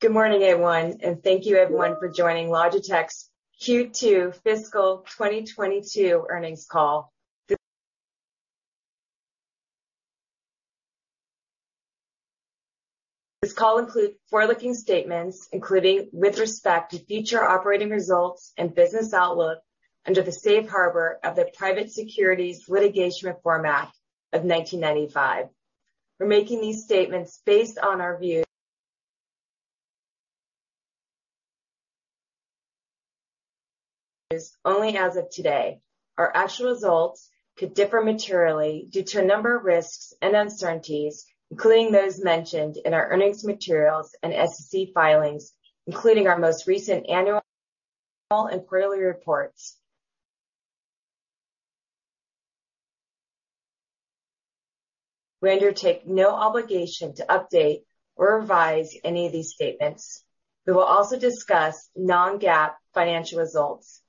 Good morning, everyone, and thank you everyone for joining Logitech's Q2 fiscal 2022 earnings call. This call includes forward-looking statements, including with respect to future operating results and business outlook under the safe harbor of the Private Securities Litigation Reform Act of 1995. We're making these statements based on our views only as of today. Our actual results could differ materially due to a number of risks and uncertainties, including those mentioned in our earnings materials and SEC filings, including our most recent annual and quarterly reports. We undertake no obligation to update or revise any of these statements. We will also discuss non-GAAP financial results.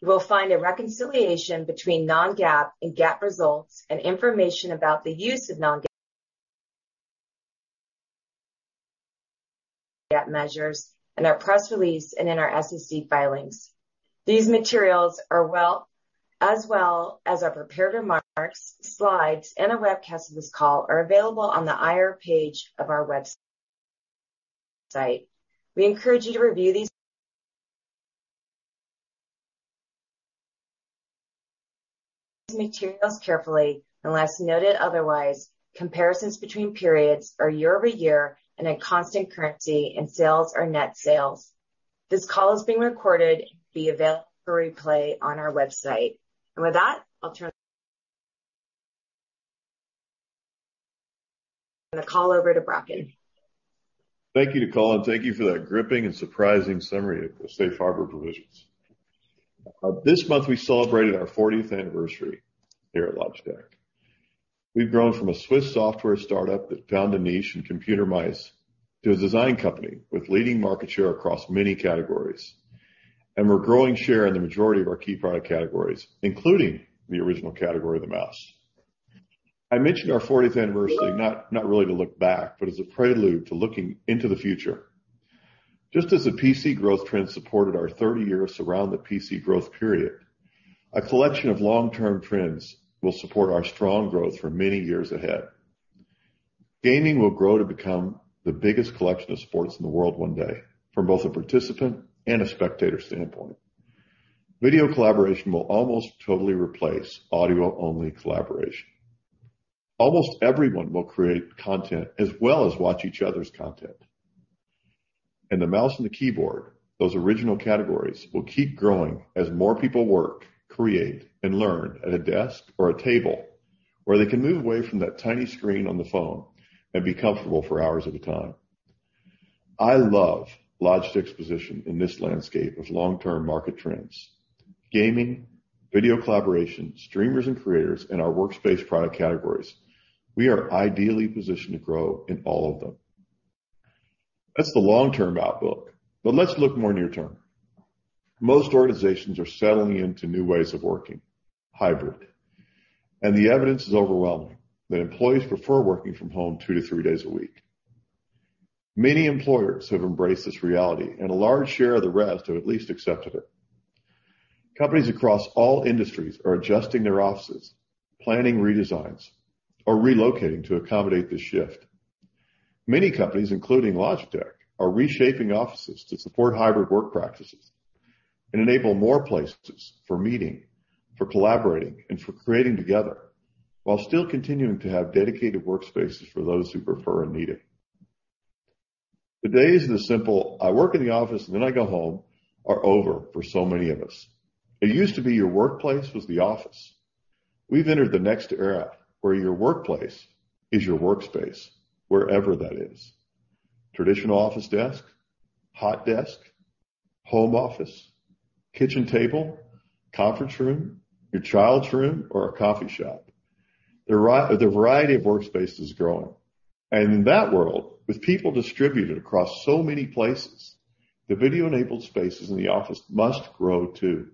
You will find a reconciliation between non-GAAP and GAAP results and information about the use of non-GAAP measures in our press release and in our SEC filings. These materials as well as our prepared remarks, slides, and a webcast of this call are available on the IR page of our website. We encourage you to review these materials carefully. Unless noted otherwise, comparisons between periods are year-over-year and in constant currency, and sales or net sales. This call is being recorded and will be available for replay on our website. With that, I'll turn the call over to Bracken. Thank you, Nicole, and thank you for that gripping and surprising summary of the safe harbor provisions. This month we celebrated our 40th anniversary here at Logitech. We've grown from a Swiss software startup that found a niche in computer mice to a design company with leading market share across many categories, and we're growing share in the majority of our key product categories, including the original category of the mouse. I mention our 40th anniversary, not really to look back, but as a prelude to looking into the future. Just as the PC growth trend supported our 30 years around the PC growth period, a collection of long-term trends will support our strong growth for many years ahead. Gaming will grow to become the biggest collection of sports in the world one day from both a participant and a spectator standpoint. Video collaboration will almost totally replace audio-only collaboration. Almost everyone will create content as well as watch each other's content. The mouse and the keyboard, those original categories, will keep growing as more people work, create, and learn at a desk or a table, where they can move away from that tiny screen on the phone and be comfortable for hours at a time. I love Logitech's position in this landscape of long-term market trends. Gaming, video collaboration, streamers and creators, and our workspace product categories, we are ideally positioned to grow in all of them. That's the long-term outlook, but let's look more near-term. Most organizations are settling into new ways of working, hybrid. The evidence is overwhelming that employees prefer working from home two to three days a week. Many employers have embraced this reality, and a large share of the rest have at least accepted it. Companies across all industries are adjusting their offices, planning redesigns, or relocating to accommodate this shift. Many companies, including Logitech, are reshaping offices to support hybrid work practices and enable more places for meeting, for collaborating, and for creating together, while still continuing to have dedicated workspaces for those who prefer or need it. The days of the simple, "I work in the office and then I go home" are over for so many of us. It used to be your workplace was the office. We've entered the next era where your workplace is your workspace, wherever that is. Traditional office desk, hot desk, home office, kitchen table, conference room, your child's room or a coffee shop. The variety of workspace is growing. In that world, with people distributed across so many places, the video-enabled spaces in the office must grow, too.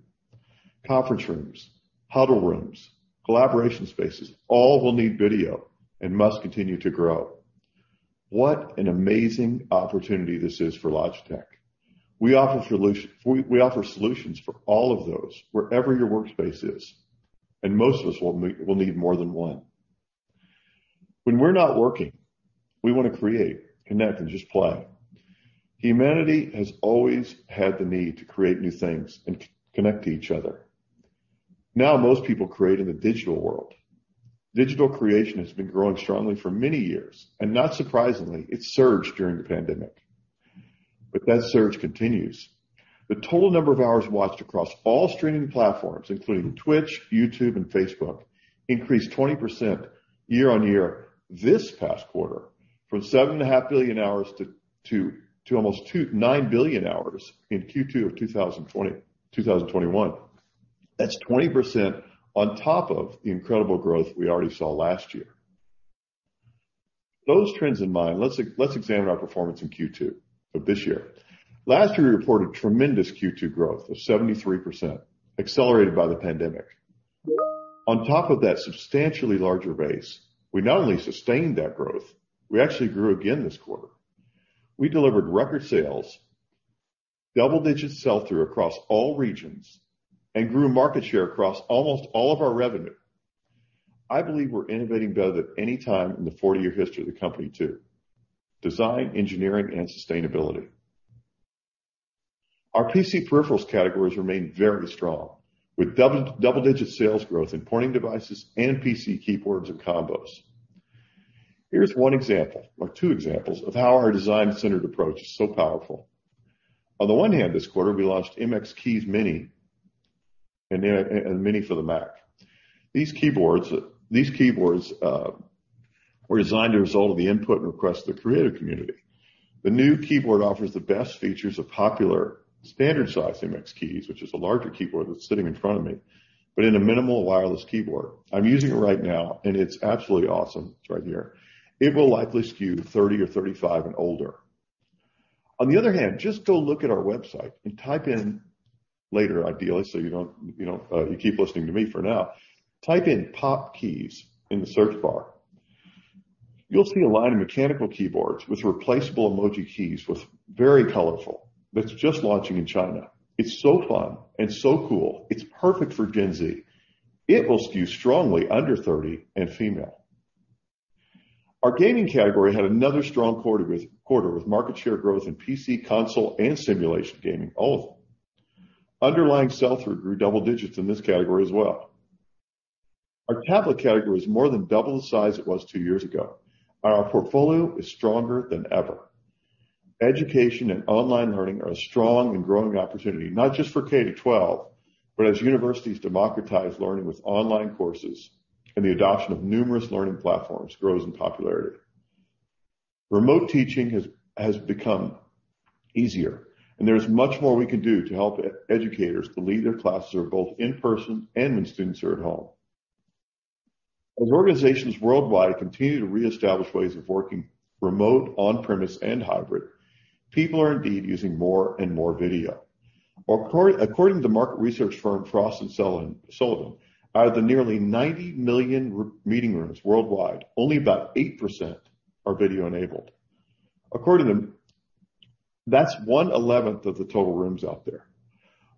Conference rooms, huddle rooms, collaboration spaces, all will need video and must continue to grow. What an amazing opportunity this is for Logitech. We offer solutions for all of those, wherever your workspace is, and most of us will need more than one. When we're not working, we wanna create, connect, and just play. Humanity has always had the need to create new things and connect to each other. Now, most people create in the digital world. Digital creation has been growing strongly for many years, and not surprisingly, it surged during the pandemic. That surge continues. The total number of hours watched across all streaming platforms, including Twitch, YouTube, and Facebook, increased 20% year-on-year this past quarter, from 7.5 billion hours to nine billion hours in Q2 of 2021. That's 20% on top of the incredible growth we already saw last year. With those trends in mind, let's examine our performance in Q2 of this year. Last year, we reported tremendous Q2 growth of 73%, accelerated by the pandemic. On top of that substantially larger base, we not only sustained that growth, we actually grew again this quarter. We delivered record sales, double-digit sell-through across all regions, and grew market share across almost all of our revenue. I believe we're innovating better than any time in the 40-year history of the company too. Design, engineering, and sustainability. Our PC peripherals categories remain very strong with double-digit sales growth in pointing devices and PC keyboards and combos. Here's one example or two examples of how our design-centered approach is so powerful. On the one hand, this quarter, we launched MX Keys Mini and Mini for the Mac. These keyboards were designed as a result of the input and requests of the creative community. The new keyboard offers the best features of popular standard-sized MX Keys, which is a larger keyboard that's sitting in front of me, but in a minimal wireless keyboard. I'm using it right now, and it's absolutely awesome. It's right here. It will likely skew 30 or 35 and older. On the other hand, just go look at our website and type in later, ideally, so you don't you keep listening to me for now. Type in POP Keys in the search bar. You'll see a line of mechanical keyboards with replaceable emoji keys with very colorful, that's just launching in China. It's so fun and so cool. It's perfect for Gen Z. It will skew strongly under 30 and female. Our gaming category had another strong quarter with market share growth in PC, console, and simulation gaming, all of them. Underlying sell-through grew double digits in this category as well. Our tablet category is more than double the size it was two years ago, and our portfolio is stronger than ever. Education and online learning are a strong and growing opportunity, not just for K-12, but as universities democratize learning with online courses and the adoption of numerous learning platforms grows in popularity. Remote teaching has become easier, and there is much more we can do to help educators to lead their classes are both in person and when students are at home. Organizations worldwide continue to reestablish ways of working remote, on-premise, and hybrid, people are indeed using more and more video. According to market research firm Frost & Sullivan, out of the nearly 90 million meeting rooms worldwide, only about 8% are video-enabled. According to them, that's one-eleventh of the total rooms out there.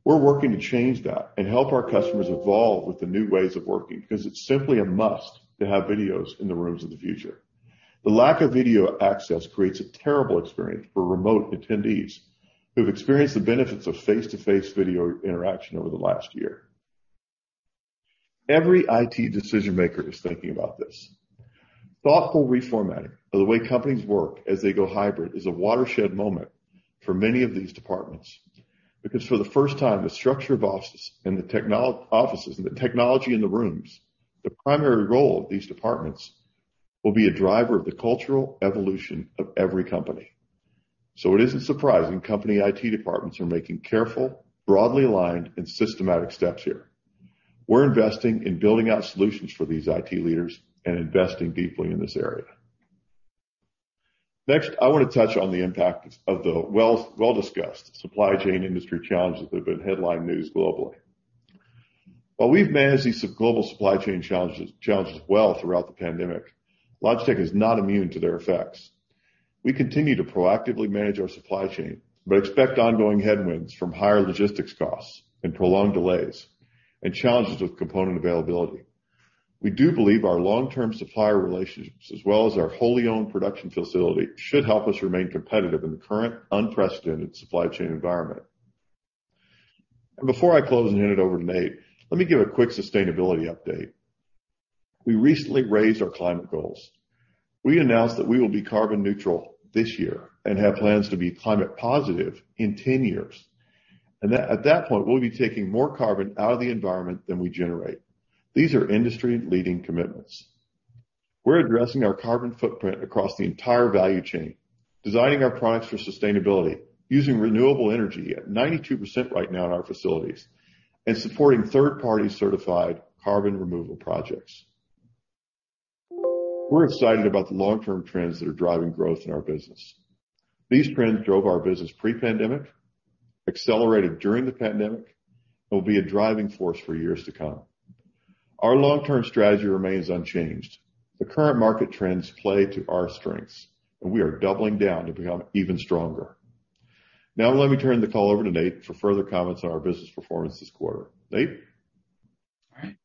We're working to change that and help our customers evolve with the new ways of working, because it's simply a must to have videos in the rooms of the future. The lack of video access creates a terrible experience for remote attendees who've experienced the benefits of face-to-face video interaction over the last year. Every IT decision-maker is thinking about this. Thoughtful reformatting of the way companies work as they go hybrid is a watershed moment for many of these departments. Because for the first time, the structure of offices and the technology in the rooms, the primary role of these departments will be a driver of the cultural evolution of every company. It isn't surprising company IT departments are making careful, broadly aligned, and systematic steps here. We're investing in building out solutions for these IT leaders and investing deeply in this area. Next, I want to touch on the impact of the well-discussed supply chain industry challenges that have been headline news globally. While we've managed these global supply chain challenges well throughout the pandemic, Logitech is not immune to their effects. We continue to proactively manage our supply chain, but expect ongoing headwinds from higher logistics costs and prolonged delays and challenges with component availability. We do believe our long-term supplier relationships, as well as our wholly owned production facility, should help us remain competitive in the current unprecedented supply chain environment. Before I close and hand it over to Nate, let me give a quick sustainability update. We recently raised our climate goals. We announced that we will be carbon neutral this year and have plans to be climate positive in 10 years. That, at that point, we'll be taking more carbon out of the environment than we generate. These are industry-leading commitments. We're addressing our carbon footprint across the entire value chain, designing our products for sustainability, using renewable energy at 92% right now in our facilities, and supporting third-party certified carbon removal projects. We're excited about the long-term trends that are driving growth in our business. These trends drove our business pre-pandemic, accelerated during the pandemic, and will be a driving force for years to come. Our long-term strategy remains unchanged. The current market trends play to our strengths, and we are doubling down to become even stronger. Now, let me turn the call over to Nate for further comments on our business performance this quarter. Nate? All right.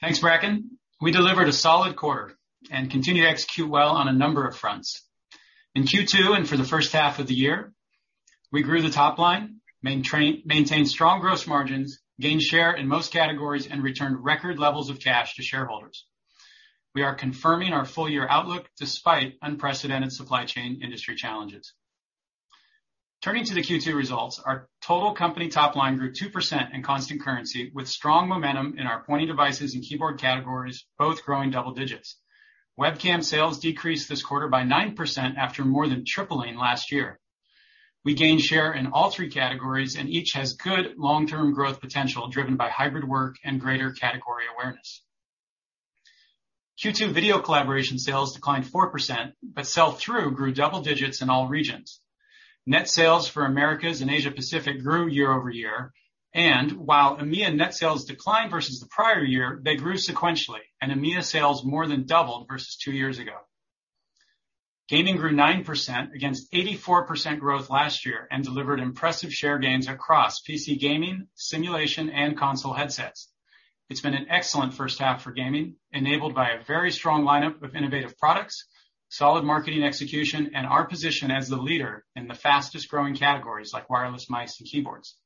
Thanks, Bracken. We delivered a solid quarter and continue to execute well on a number of fronts. In Q2 and for the first half of the year, we grew the top line, maintained strong gross margins, gained share in most categories, and returned record levels of cash to shareholders. We are confirming our full-year outlook despite unprecedented supply chain industry challenges. Turning to the Q2 results, our total company top line grew 2% in constant currency with strong momentum in our pointing devices and keyboard categories, both growing double digits. Webcam sales decreased this quarter by 9% after more than tripling last year. We gained share in all three categories, and each has good long-term growth potential, driven by hybrid work and greater category awareness. Q2 video collaboration sales declined 4%, but sell-through grew double digits in all regions. Net sales for Americas and Asia Pacific grew year-over-year, while EMEA net sales declined versus the prior year, they grew sequentially, and EMEA sales more than doubled versus two years ago. Gaming grew 9% against 84% growth last year and delivered impressive share gains across PC gaming, simulation, and console headsets. It's been an excellent first half for gaming, enabled by a very strong lineup of innovative products, solid marketing execution, and our position as the leader in the fastest-growing categories like wireless mice and keyboards.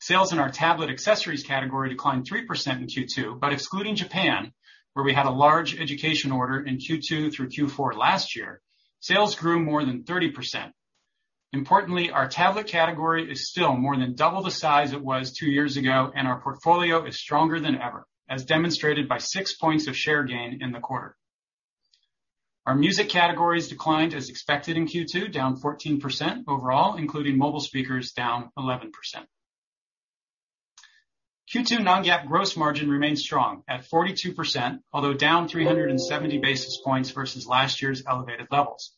Sales in our tablet accessories category declined 3% in Q2, but excluding Japan, where we had a large education order in Q2 through Q4 last year, sales grew more than 30%. Importantly, our tablet category is still more than double the size it was two years ago, and our portfolio is stronger than ever, as demonstrated by 6 points of share gain in the quarter. Our music categories declined as expected in Q2, down 14% overall, including mobile speakers down 11%. Q2 non-GAAP gross margin remains strong at 42%, although down 370 basis points versus last year's elevated levels.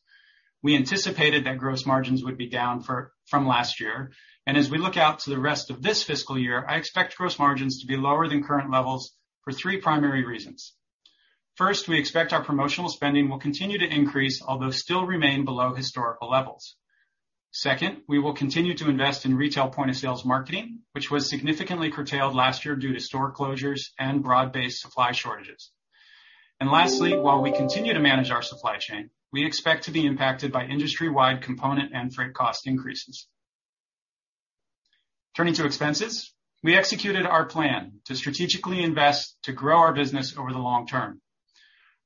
We anticipated that gross margins would be down from last year. As we look out to the rest of this fiscal year, I expect gross margins to be lower than current levels for three primary reasons. First, we expect our promotional spending will continue to increase, although still remain below historical levels. Second, we will continue to invest in retail point-of-sales marketing, which was significantly curtailed last year due to store closures and broad-based supply shortages. Lastly, while we continue to manage our supply chain, we expect to be impacted by industry-wide component and freight cost increases. Turning to expenses, we executed our plan to strategically invest to grow our business over the long term.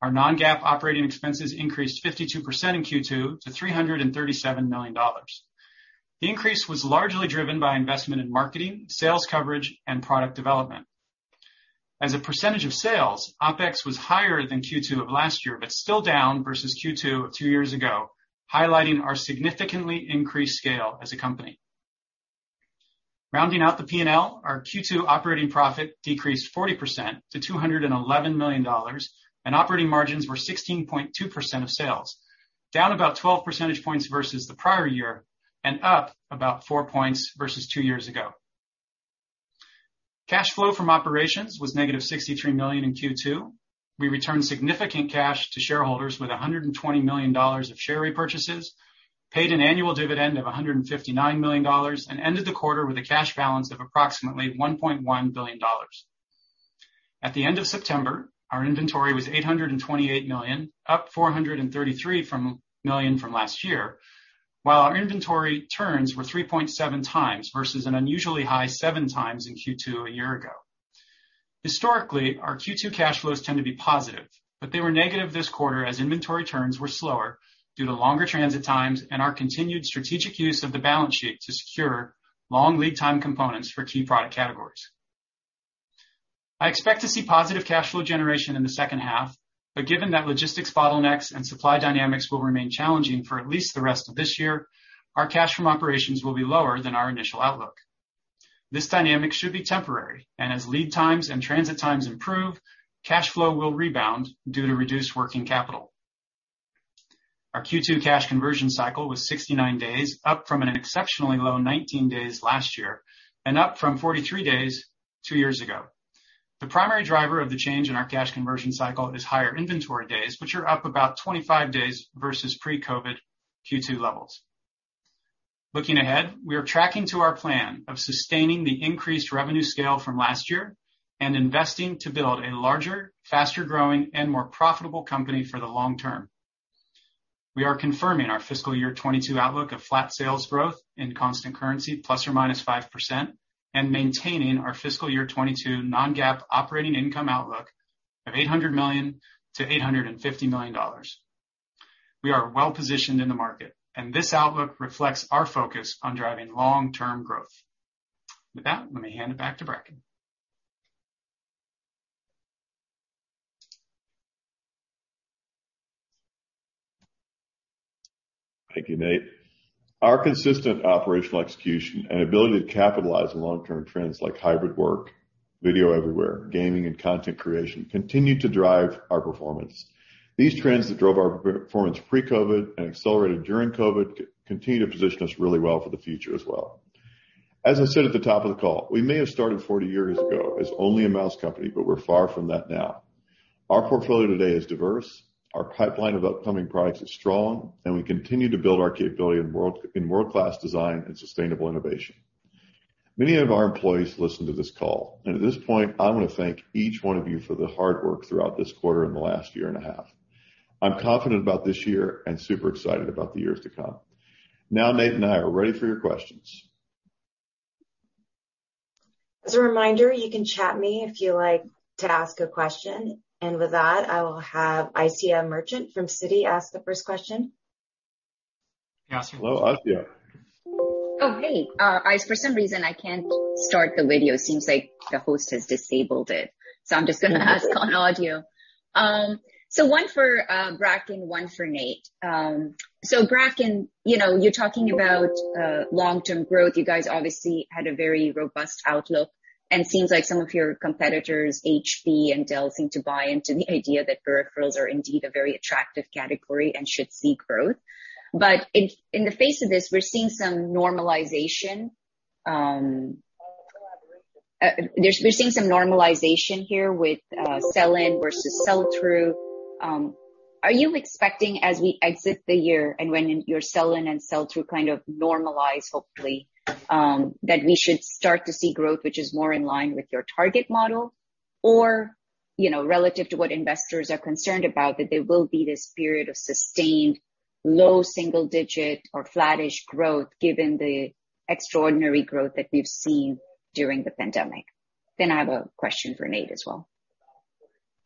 Our non-GAAP operating expenses increased 52% in Q2 to $337 million. The increase was largely driven by investment in marketing, sales coverage, and product development. As a percentage of sales, OpEx was higher than Q2 of last year, but still down versus Q2 of two years ago, highlighting our significantly increased scale as a company. Rounding out the P&L, our Q2 operating profit decreased 40% to $211 million, and operating margins were 16.2% of sales, down about 12 percentage points versus the prior year and up about 4 points versus two years ago. Cash flow from operations was -$63 million in Q2. We returned significant cash to shareholders with $120 million of share repurchases, paid an annual dividend of $159 million, and ended the quarter with a cash balance of approximately $1.1 billion. At the end of September, our inventory was $828 million, up $433 million from last year. While our inventory turns were 3.7x versus an unusually high 7x in Q2 a year ago. Historically, our Q2 cash flows tend to be positive, but they were negative this quarter as inventory turns were slower due to longer transit times and our continued strategic use of the balance sheet to secure long lead time components for key product categories. I expect to see positive cash flow generation in the second half, but given that logistics bottlenecks and supply dynamics will remain challenging for at least the rest of this year, our cash from operations will be lower than our initial outlook. This dynamic should be temporary, and as lead times and transit times improve, cash flow will rebound due to reduced working capital. Our Q2 cash conversion cycle was 69 days, up from an exceptionally low 19 days last year and up from 43 days two years ago. The primary driver of the change in our cash conversion cycle is higher inventory days, which are up about 25 days versus pre-COVID Q2 levels. Looking ahead, we are tracking to our plan of sustaining the increased revenue scale from last year and investing to build a larger, faster-growing and more profitable company for the long term. We are confirming our fiscal year 2022 outlook of flat sales growth in constant currency ±5% and maintaining our fiscal year 2022 non-GAAP operating income outlook of $800 million-$850 million. We are well positioned in the market, and this outlook reflects our focus on driving long-term growth. With that, let me hand it back to Bracken. Thank you, Nate. Our consistent operational execution and ability to capitalize on long-term trends like hybrid work, video everywhere, gaming and content creation continue to drive our performance. These trends that drove our performance pre-COVID and accelerated during COVID continue to position us really well for the future as well. As I said at the top of the call, we may have started 40 years ago as only a mouse company, but we're far from that now. Our portfolio today is diverse, our pipeline of upcoming products is strong, and we continue to build our capability in world-class design and sustainable innovation. Many of our employees listen to this call, and at this point, I want to thank each one of you for the hard work throughout this quarter and the last year and a half. I'm confident about this year and super excited about the years to come. Now, Nate and I are ready for your questions. As a reminder, you can chat with me if you like to ask a question. With that, I will have Asiya Merchant from Citi ask the first question. Yes. Hello, Asiya. Oh, hey. For some reason, I can't start the video. It seems like the host has disabled it, so I'm just gonna ask on audio. One for Bracken, one for Nate. Bracken, you know, you're talking about long-term growth. You guys obviously had a very robust outlook. It seems like some of your competitors, HP and Dell, seem to buy into the idea that peripherals are indeed a very attractive category and should see growth. In the face of this, we're seeing some normalization. We're seeing some normalization here with sell-in versus sell-through. Are you expecting as we exit the year and when your sell-in and sell-through kind of normalize, hopefully, that we should start to see growth which is more in line with your target model? You know, relative to what investors are concerned about, that there will be this period of sustained low single digit or flattish growth given the extraordinary growth that we've seen during the pandemic. I have a question for Nate as well.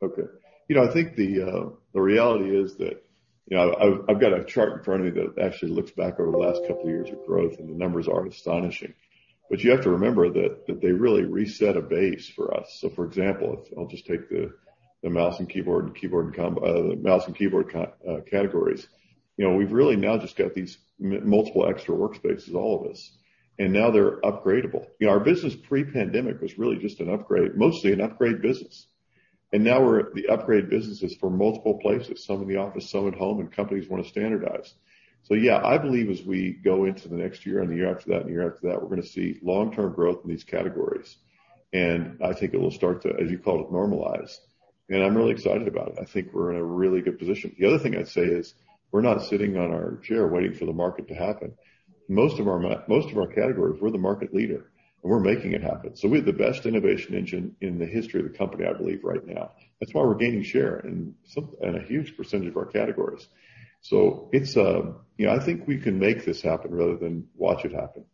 Okay. You know, I think the reality is that, you know, I've got a chart in front of me that actually looks back over the last couple of years of growth, and the numbers are astonishing. You have to remember that they really reset a base for us. For example, if I'll just take the mouse and keyboard categories. You know, we've really now just got these multiple extra workspaces, all of us, and now they're upgradable. You know, our business pre-pandemic was really just an upgrade, mostly an upgrade business. Now we're at the upgrade businesses for multiple places, some in the office, some at home, and companies wanna standardize. Yeah, I believe as we go into the next year and the year after that and the year after that, we're gonna see long-term growth in these categories. I think it will start to, as you call it, normalize. I'm really excited about it. I think we're in a really good position. The other thing I'd say is, we're not sitting on our chair waiting for the market to happen. Most of our categories, we're the market leader, and we're making it happen. We have the best innovation engine in the history of the company, I believe right now. That's why we're gaining share in a huge percentage of our categories. It's, you know, I think we can make this happen rather than watch it happen.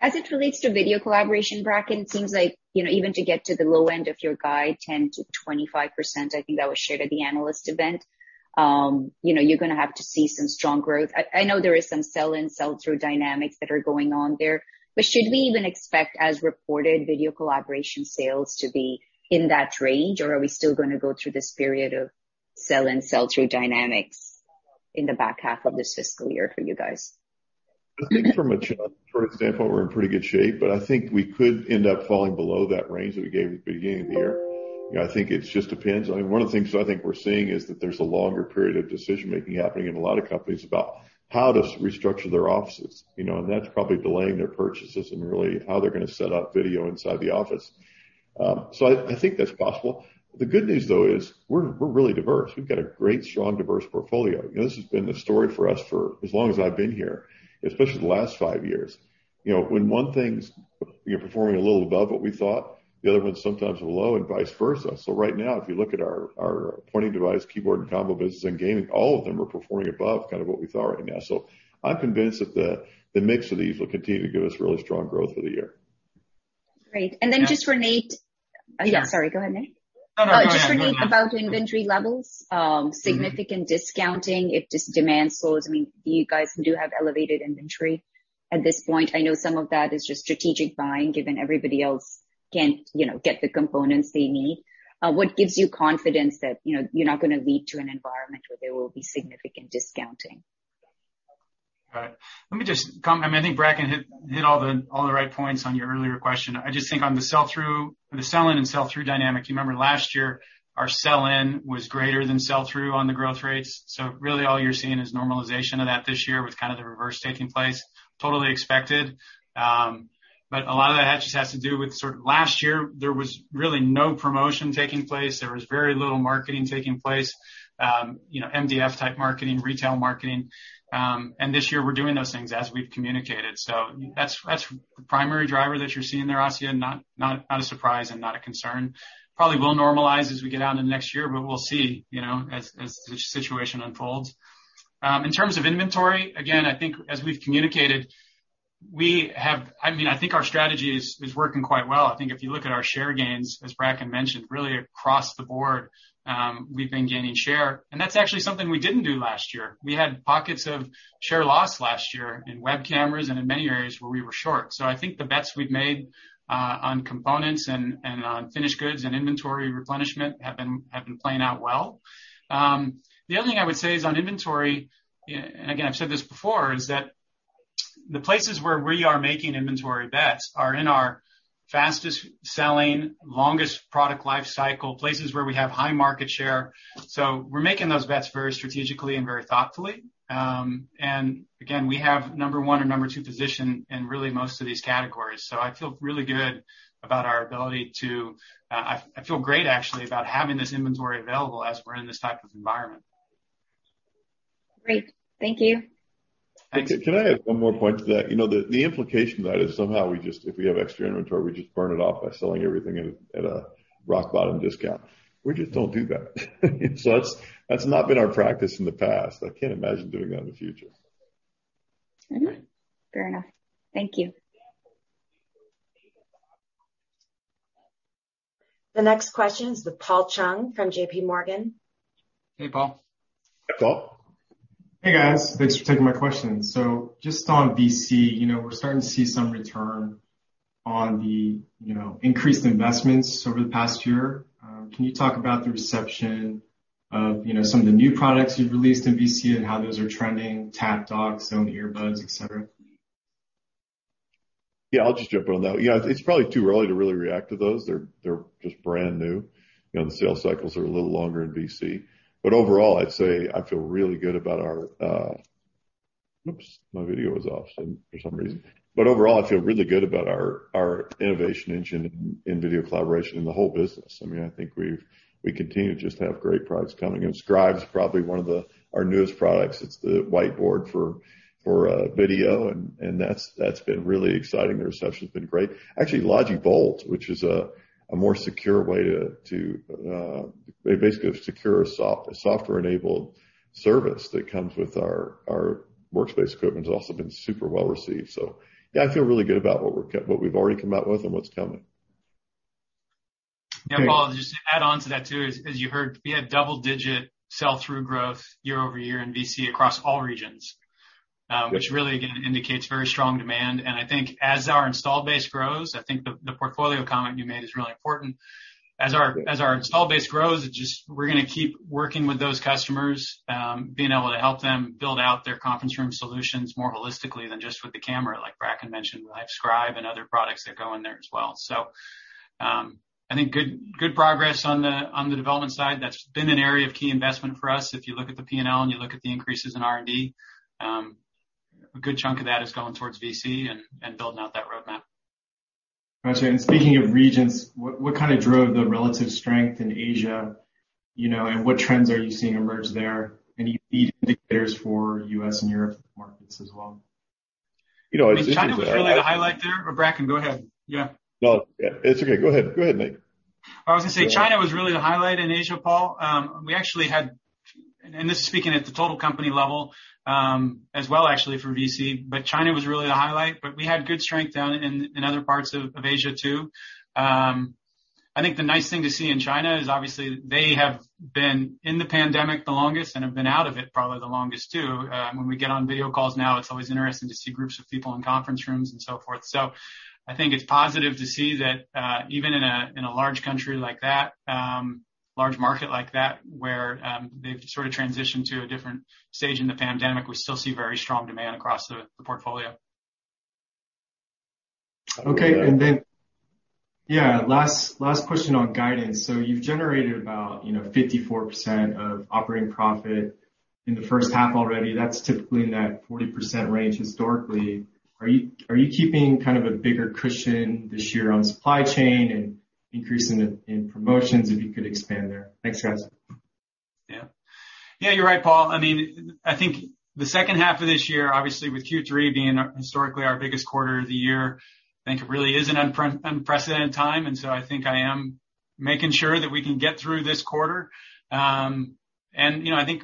As it relates to video collaboration, Bracken, it seems like, you know, even to get to the low end of your guide, 10%-25%, I think that was shared at the analyst event, you know, you're gonna have to see some strong growth. I know there is some sell-in, sell-through dynamics that are going on there, but should we even expect as reported video collaboration sales to be in that range, or are we still gonna go through this period of sell-in, sell-through dynamics in the back half of this fiscal year for you guys? I think from a trust standpoint, we're in pretty good shape, but I think we could end up falling below that range that we gave at the beginning of the year. You know, I think it just depends. I mean, one of the things I think we're seeing is that there's a longer period of decision-making happening in a lot of companies about how to restructure their offices. You know, and that's probably delaying their purchases and really how they're gonna set up video inside the office. I think that's possible. The good news, though, is we're really diverse. We've got a great, strong, diverse portfolio. You know, this has been the story for us for as long as I've been here, especially the last five years. You know, when one thing's, you know, performing a little above what we thought, the other one's sometimes low and vice versa. Right now, if you look at our pointing device, keyboard, and combo business and gaming, all of them are performing above kind of what we thought right now. I'm convinced that the mix of these will continue to give us really strong growth for the year. Great. Just for Nate- Yeah. I'm sorry, go ahead, Nate. No, no. Go ahead. Just for Nate about inventory levels, significant discounting if this demand slows. I mean, do you guys have elevated inventory at this point? I know some of that is just strategic buying, given everybody else can't, you know, get the components they need. What gives you confidence that, you know, you're not gonna lead to an environment where there will be significant discounting? All right. I mean, I think Bracken hit all the right points on your earlier question. I just think on the sell-through, the sell-in and sell-through dynamic. You remember last year, our sell-in was greater than sell-through on the growth rates. Really all you're seeing is normalization of that this year with kind of the reverse taking place, totally expected. A lot of that just has to do with sort of last year. There was really no promotion taking place. There was very little marketing taking place, you know, MDF-type marketing, retail marketing. This year we're doing those things as we've communicated. That's the primary driver that you're seeing there, Asiya, not a surprise and not a concern. Probably will normalize as we get out into next year, but we'll see, you know, as the situation unfolds. In terms of inventory, again, I think as we've communicated, I mean, I think our strategy is working quite well. I think if you look at our share gains, as Bracken mentioned, really across the board, we've been gaining share. That's actually something we didn't do last year. We had pockets of share loss last year in web cameras and in many areas where we were short. I think the bets we've made on components and on finished goods and inventory replenishment have been playing out well. The other thing I would say is on inventory, and again, I've said this before, is that the places where we are making inventory bets are in our fastest-selling, longest product life cycle, places where we have high market share. We're making those bets very strategically and very thoughtfully. Again, we have number one or number two position in really most of these categories. I feel really good about our ability to. I feel great actually about having this inventory available as we're in this type of environment. Great. Thank you. Thanks. Can I add one more point to that? You know, the implication of that is somehow we just, if we have extra inventory, we just burn it off by selling everything at a rock bottom discount. We just don't do that. That's not been our practice in the past. I can't imagine doing that in the future. All right. Fair enough. Thank you. The next question is with Paul Chung from JPMorgan. Hey, Paul. Hey, Paul. Hey, guys. Thanks for taking my questions. Just on VC, you know, we're starting to see some return on the, you know, increased investments over the past year. Can you talk about the reception of, you know, some of the new products you've released in VC and how those are trending, Tap, Logi Dock, Zone earbuds, et cetera? Yeah, I'll just jump in on that. Yeah, it's probably too early to really react to those. They're just brand new. You know, the sales cycles are a little longer in VC. Overall, I'd say I feel really good about our. Oops, my video is off for some reason. Overall, I feel really good about our innovation engine in video collaboration in the whole business. I mean, I think we continue to just have great products coming. Scribe is probably one of our newest products. It's the whiteboard for video, and that's been really exciting. The reception has been great. Actually, Logi Bolt, which is a more secure way to basically a secure software-enabled service that comes with our workspace equipment, has also been super well-received. Yeah, I feel really good about what we've already come out with and what's coming. Yeah, Paul, just to add on to that, too, as you heard, we had double-digit sell-through growth year-over-year in VC across all regions, which really, again, indicates very strong demand. I think as our installed base grows, I think the portfolio comment you made is really important. As our installed base grows, it just we're gonna keep working with those customers, being able to help them build out their conference room solutions more holistically than just with the camera, like Bracken mentioned, like Scribe and other products that go in there as well. I think good progress on the development side. That's been an area of key investment for us. If you look at the P&L and you look at the increases in R&D, a good chunk of that is going towards VC and building out that roadmap. Got you. Speaking of regions, what kinda drove the relative strength in Asia, you know, and what trends are you seeing emerge there? Any lead indicators for U.S. and Europe markets as well? You know, it's interesting. I mean, China was really the highlight there. Or Bracken, go ahead. Yeah. No, it's okay. Go ahead. Go ahead, Nate. I was gonna say, China was really the highlight in Asia, Paul. This is speaking at the total company level, as well actually for VC, but China was really the highlight. We had good strength down in other parts of Asia, too. I think the nice thing to see in China is obviously they have been in the pandemic the longest and have been out of it probably the longest, too. When we get on video calls now, it's always interesting to see groups of people in conference rooms and so forth. I think it's positive to see that, even in a large country like that, large market like that, where they've sort of transitioned to a different stage in the pandemic, we still see very strong demand across the portfolio. Okay. Yeah. Last question on guidance. So you've generated about 54% of operating profit in the first half already. That's typically in that 40% range historically. Are you keeping kind of a bigger cushion this year on supply chain and increase in promotions, if you could expand there? Thanks, guys. Yeah. Yeah, you're right, Paul. I mean, I think the second half of this year, obviously with Q3 being historically our biggest quarter of the year, I think it really is an unprecedented time. I think I am making sure that we can get through this quarter. I think,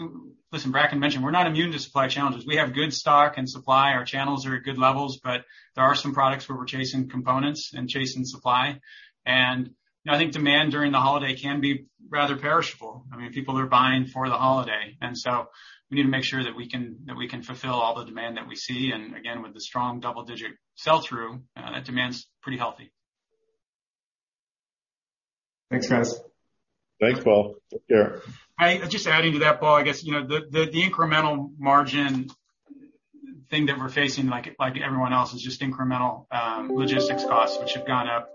listen, Bracken mentioned, we're not immune to supply challenges. We have good stock and supply. Our channels are at good levels, but there are some products where we're chasing components and chasing supply. You know, I think demand during the holiday can be rather perishable. I mean, people are buying for the holiday, and so we need to make sure that we can fulfill all the demand that we see. Again, with the strong double-digit sell-through, that demand's pretty healthy. Thanks, guys. Thanks, Paul. Take care. Just adding to that, Paul, I guess, you know, the incremental margin thing that we're facing, like everyone else, is just incremental logistics costs, which have gone up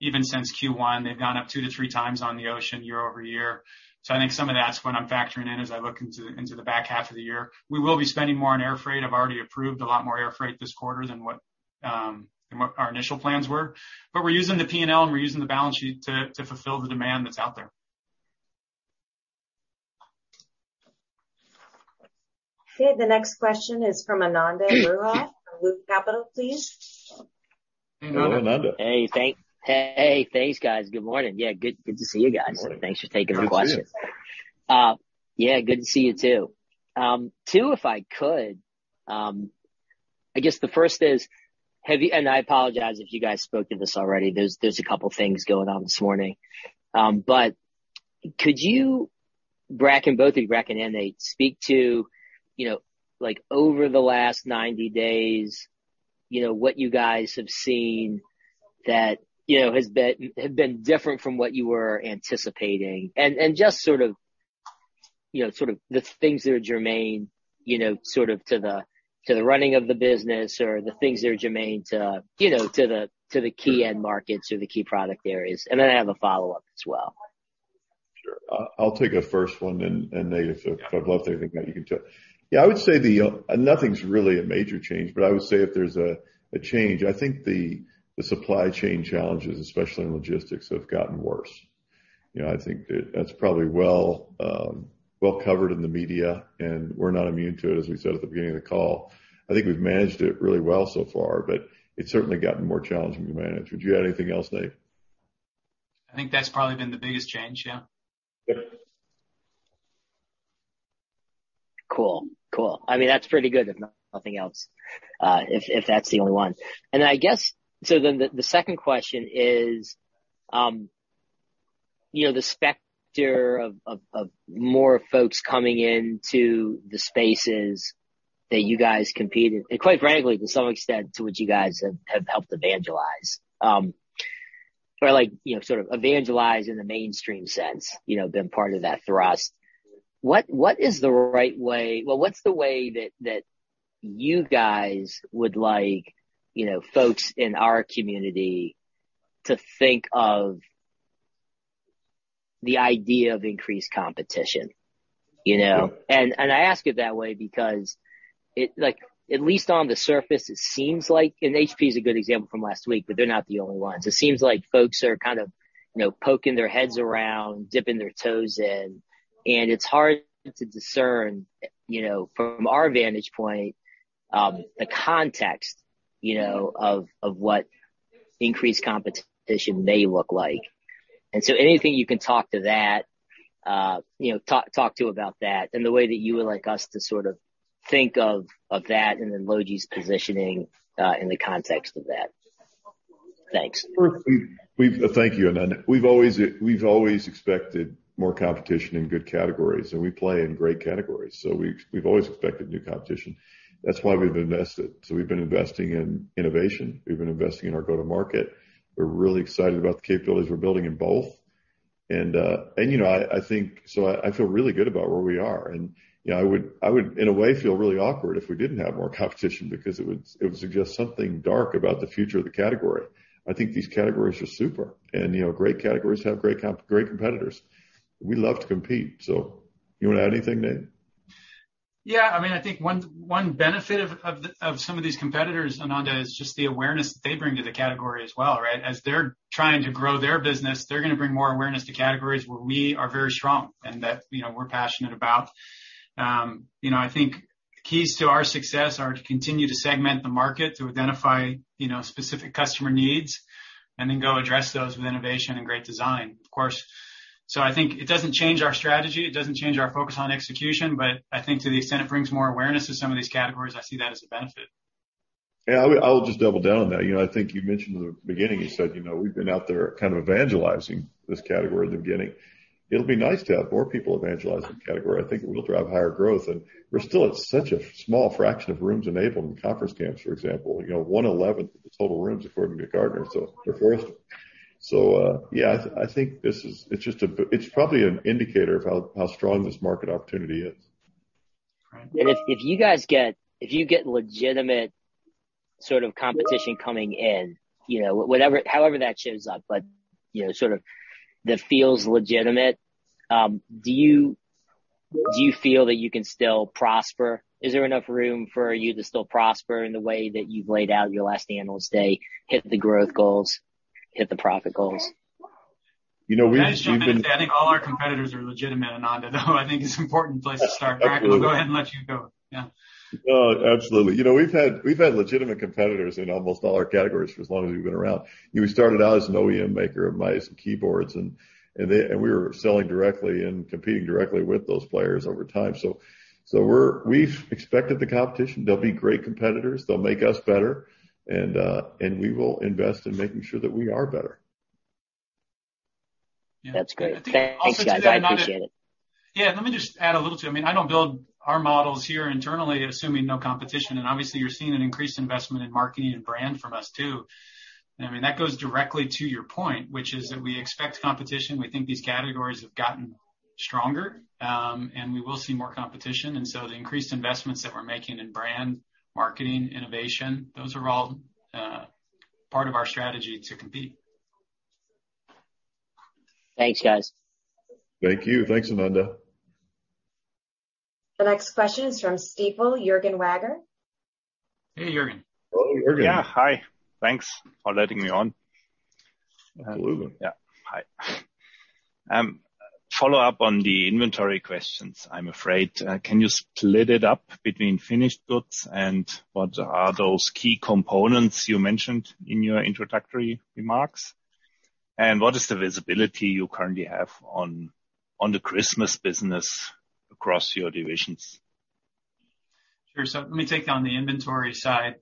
even since Q1. They've gone up 2x-3x on the ocean year-over-year. I think some of that's what I'm factoring in as I look into the back half of the year. We will be spending more on air freight. I've already approved a lot more air freight this quarter than what our initial plans were. We're using the P&L, and we're using the balance sheet to fulfill the demand that's out there. Okay, the next question is from Ananda Baruah from Loop Capital, please. Hello, Ananda. Hey. Thanks, guys. Good morning. Yeah, good to see you guys. Good morning. Thanks for taking the questions. You too. Yeah, good to see you too. Two, if I could. I guess the first is. I apologize if you guys spoke to this already. There's a couple things going on this morning. But could you, Bracken, both of you, Bracken, and Nate, speak to, you know, like over the last 90 days, you know, what you guys have seen that, you know, have been different from what you were anticipating? Just sort of, you know, sort of the things that are germane, you know, sort of to the running of the business or the things that are germane to, you know, to the key end markets or the key product areas. Then I have a follow-up as well. Sure. I'll take a first one and Nate, if I've left anything out, you can jump in. Yeah, I would say Nothing's really a major change, but I would say if there's a change, I think the supply chain challenges, especially in logistics, have gotten worse. You know, I think that's probably well covered in the media, and we're not immune to it, as we said at the beginning of the call. I think we've managed it really well so far, but it's certainly gotten more challenging to manage. Would you add anything else, Nate? I think that's probably been the biggest change. Yeah. Good. Cool. I mean, that's pretty good if nothing else, if that's the only one. I guess the second question is, you know, the specter of more folks coming into the spaces that you guys compete, and quite frankly, to some extent, to which you guys have helped evangelize. Or like, you know, sort of evangelize in the mainstream sense, you know, been part of that thrust. What is the right way? Well, what's the way that you guys would like, you know, folks in our community to think of the idea of increased competition, you know? I ask it that way because it, like, at least on the surface, it seems like, and HP is a good example from last week, but they're not the only ones. It seems like folks are kind of, you know, poking their heads around, dipping their toes in, and it's hard to discern, you know, from our vantage point, the context, you know, of what increased competition may look like. Anything you can talk to about that, you know, and the way that you would like us to sort of think of that and then Logi's positioning in the context of that. Thanks. Thank you, Ananda. We've always expected more competition in good categories, and we play in great categories. We've always expected new competition. That's why we've invested. We've been investing in innovation. We've been investing in our go-to-market. We're really excited about the capabilities we're building in both. You know, I think I feel really good about where we are. You know, I would, in a way, feel really awkward if we didn't have more competition because it would suggest something dark about the future of the category. I think these categories are super and, you know, great categories have great competitors. We love to compete. You wanna add anything, Nate? Yeah. I mean, I think one benefit of some of these competitors, Ananda, is just the awareness that they bring to the category as well, right? As they're trying to grow their business, they're gonna bring more awareness to categories where we are very strong and that, you know, we're passionate about. You know, I think keys to our success are to continue to segment the market, to identify, you know, specific customer needs, and then go address those with innovation and great design, of course. I think it doesn't change our strategy, it doesn't change our focus on execution, but I think to the extent it brings more awareness to some of these categories, I see that as a benefit. Yeah. I'll just double down on that. You know, I think you mentioned in the beginning, you said, you know, we've been out there kind of evangelizing this category in the beginning. It'll be nice to have more people evangelizing the category. I think it will drive higher growth. We're still at such a small fraction of rooms enabled in conference rooms, for example, you know, one-eleventh of the total rooms according to Gartner, so we're first. Yeah, I think this is. It's just a beginning. It's probably an indicator of how strong this market opportunity is. If you get legitimate sort of competition coming in, you know, however that shows up, but, you know, sort of that feels legitimate, do you feel that you can still prosper? Is there enough room for you to still prosper in the way that you've laid out your last Analyst Day, hit the growth goals, hit the profit goals? You know, we've been. Can I just jump in? I think all our competitors are legitimate, Ananda Baruah, though I think it's an important place to start. All right, we'll go ahead and let you go. Yeah. No, absolutely. You know, we've had legitimate competitors in almost all our categories for as long as we've been around. We started out as an OEM maker of mice and keyboards, and we were selling directly and competing directly with those players over time. We've expected the competition. They'll be great competitors. They'll make us better. We will invest in making sure that we are better. That's great. Thanks, guys. I appreciate it. Yeah. Let me just add a little to it. I mean, I don't build our models here internally assuming no competition. Obviously, you're seeing an increased investment in marketing and brand from us too. I mean, that goes directly to your point, which is that we expect competition. We think these categories have gotten stronger, and we will see more competition. The increased investments that we're making in brand, marketing, innovation, those are all part of our strategy to compete. Thanks, guys. Thank you. Thanks, Ananda. The next question is from Stifel, Juergen Wagner. Hey, Juergen. Hello, Juergen. Yeah. Hi. Thanks for letting me on. Absolutely. Yeah. Hi. Follow up on the inventory questions, I'm afraid. Can you split it up between finished goods and what are those key components you mentioned in your introductory remarks? What is the visibility you currently have on the Christmas business across your divisions? Let me take it on the inventory side.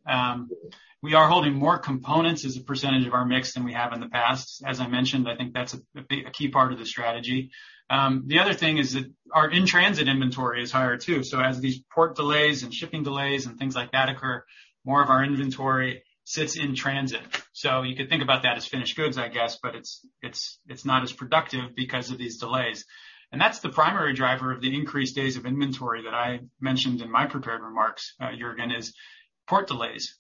We are holding more components as a percentage of our mix than we have in the past. As I mentioned, I think that's a key part of the strategy. The other thing is that our in-transit inventory is higher too. As these port delays and shipping delays and things like that occur, more of our inventory sits in transit. You could think about that as finished goods, I guess, but it's not as productive because of these delays. That's the primary driver of the increased days of inventory that I mentioned in my prepared remarks, Juergen, is port delays.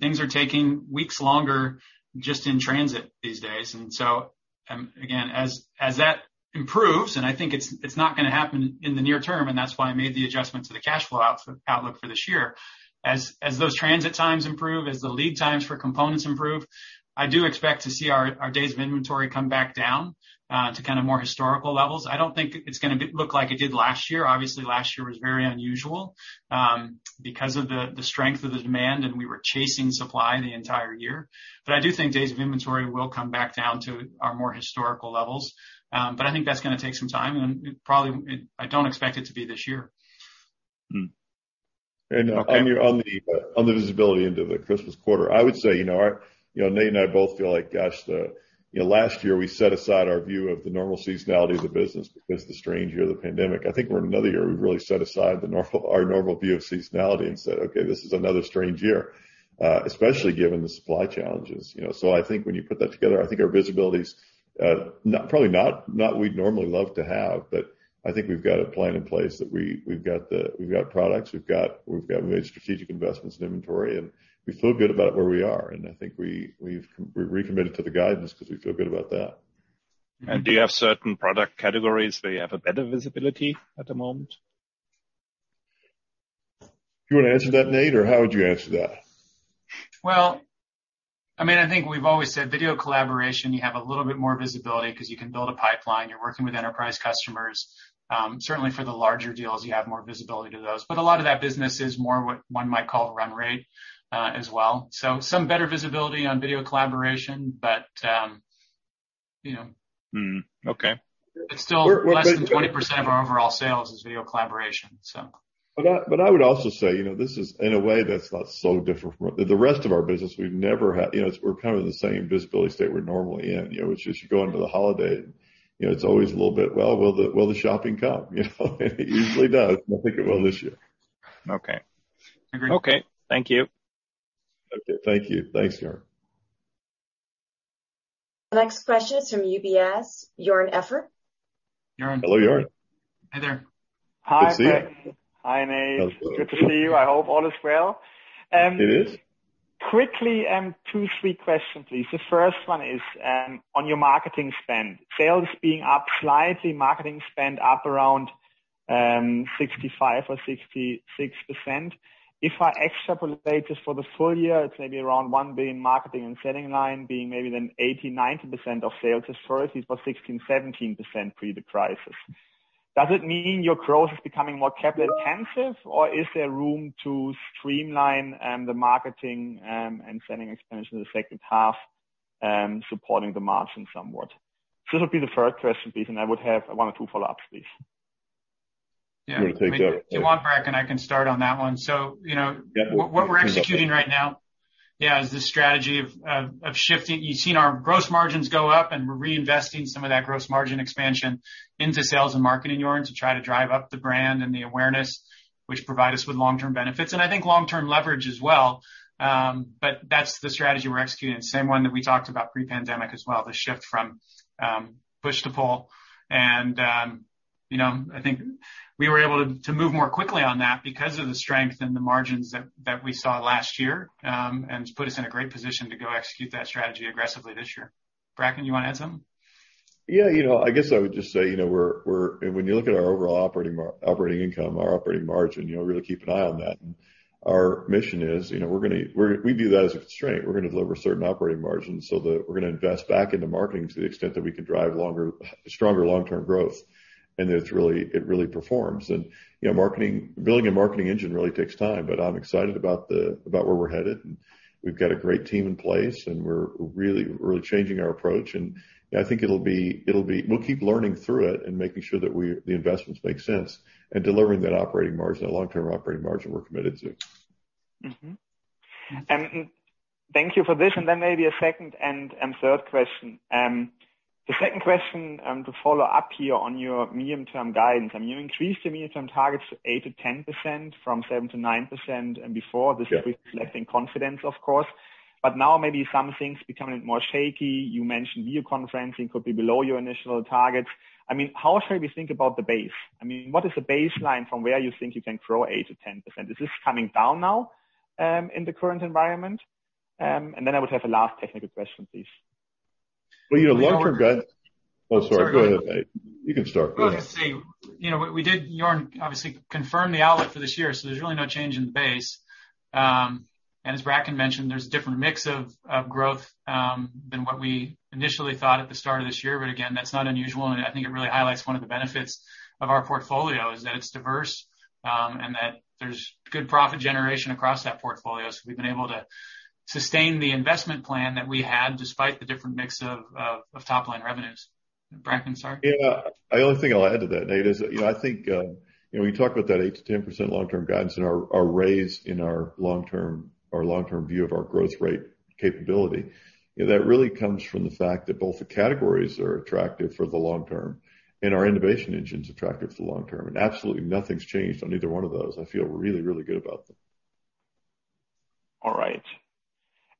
Things are taking weeks longer just in transit these days. Again, as that improves, I think it's not gonna happen in the near term, and that's why I made the adjustment to the cash flow outlook for this year. As those transit times improve, as the lead times for components improve, I do expect to see our days of inventory come back down to kind of more historical levels. I don't think it's gonna look like it did last year. Obviously, last year was very unusual because of the strength of the demand, and we were chasing supply the entire year. I do think days of inventory will come back down to our more historical levels. I think that's gonna take some time, and I don't expect it to be this year. Hmm. On the visibility into the Christmas quarter, I would say, you know, you know, Nate and I both feel like, you know, last year we set aside our view of the normal seasonality of the business because the strange year of the pandemic. I think we're in another year we've really set aside our normal view of seasonality and said, "Okay, this is another strange year," especially given the supply challenges, you know. I think when you put that together, I think our visibility's probably not what we'd normally love to have, but I think we've got a plan in place that we've got products, we've made strategic investments in inventory, and we feel good about where we are. I think we've recommitted to the guidance because we feel good about that. Do you have certain product categories where you have a better visibility at the moment? Do you wanna answer that, Nate, or how would you answer that? Well, I mean, I think we've always said video collaboration, you have a little bit more visibility because you can build a pipeline. You're working with enterprise customers. Certainly for the larger deals, you have more visibility to those. A lot of that business is more what one might call run rate, as well. Some better visibility on video collaboration, but, you know. Okay. It's still less than 20% of our overall sales is video collaboration, so. I would also say, you know, this is in a way that's not so different from the rest of our business we've never had, you know, we're kind of in the same visibility state we're normally in, you know, which is you go into the holiday, you know, it's always a little bit, well, will the shopping come? You know? It usually does, and I think it will this year. Okay. Agreed. Okay. Thank you. Okay. Thank you. Thanks, Juergen. Next question is from UBS, Joern Iffert. Joern. Hello, Joern. Hi there. Good to see you. Hi. Hi, Nate. Good to see you. I hope all is well. It is. Quickly, two, three questions, please. The first one is on your marketing spend. Sales being up slightly, marketing spend up around 65% or 66%. If I extrapolate this for the full year, it's maybe around $1 billion marketing and selling line being maybe then 80%-90% of sales historically for 16%-17% pre the crisis. Does it mean your growth is becoming more capital intensive, or is there room to streamline the marketing and selling expansion in the second half supporting the margin somewhat? This will be the first question, please, and I would have one or two follow-ups, please. You wanna take that? Yeah. One, Bracken, I can start on that one. You know- Yeah. What we're executing right now, yeah, is the strategy of shifting. You've seen our gross margins go up, and we're reinvesting some of that gross margin expansion into sales and marketing, Joern, to try to drive up the brand and the awareness, which provide us with long-term benefits, and I think long-term leverage as well. That's the strategy we're executing, same one that we talked about pre-pandemic as well, the shift from push to pull. You know, I think we were able to move more quickly on that because of the strength in the margins that we saw last year, and to put us in a great position to go execute that strategy aggressively this year. Bracken, you wanna add something? Yeah, you know, I guess I would just say, you know, when you look at our overall operating income, our operating margin, you know, really keep an eye on that. Our mission is, you know, we view that as a constraint. We're gonna deliver certain operating margins so that we're gonna invest back into marketing to the extent that we can drive stronger long-term growth. It's really performs. You know, marketing, building a marketing engine really takes time, but I'm excited about where we're headed, and we've got a great team in place, and we're really changing our approach. I think it'll be. We'll keep learning through it and making sure that the investments make sense and delivering that operating margin, that long-term operating margin we're committed to. Thank you for this, and then maybe a second and third question. The second question, to follow up here on your medium-term guidance. I mean, you increased the medium-term targets 8%-10% from 7%-9%, and before this reflects confidence, of course. Now maybe some things becoming more shaky. You mentioned video conferencing could be below your initial targets. I mean, how should we think about the base? I mean, what is the baseline from where you think you can grow 8%-10%? Is this coming down now, in the current environment? I would have a last technical question, please. Well, you know, long-term guide Long- Oh, sorry. Go ahead, Nate. You can start. Go ahead. I was gonna say, you know, we did, Joern, obviously confirmed the outlook for this year, so there's really no change in the base. As Bracken mentioned, there's a different mix of growth than what we initially thought at the start of this year. Again, that's not unusual, and I think it really highlights one of the benefits of our portfolio, is that it's diverse, and that there's good profit generation across that portfolio. We've been able to sustain the investment plan that we had despite the different mix of top-line revenues. Bracken, sorry. Yeah. The only thing I'll add to that, Nate, is that, you know, I think, you know, when you talk about that 8%-10% long-term guidance and our raise in our long-term view of our growth rate capability, you know, that really comes from the fact that both the categories are attractive for the long term and our innovation engine's attractive for the long term. Absolutely nothing's changed on either one of those. I feel really, really good about them. All right.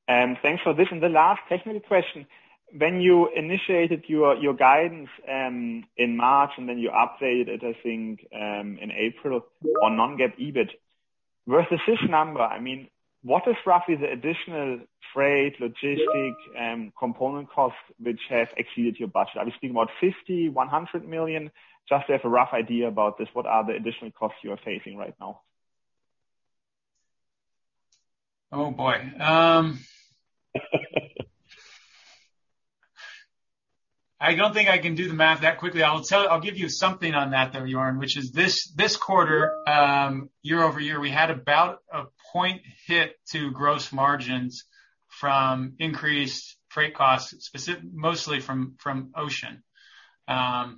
Thanks for this. The last technical question. When you initiated your guidance in March, and then you updated it, I think, in April on non-GAAP EBIT. With this number, I mean, what is roughly the additional freight, logistic, component costs which have exceeded your budget? Are we speaking about $50 million, $100 million? Just to have a rough idea about this, what are the additional costs you are facing right now? Oh, boy. I don't think I can do the math that quickly. I will tell you. I'll give you something on that, though, Joern, which is this quarter, year-over-year, we had about a point hit to gross margins from increased freight costs, mostly from ocean. I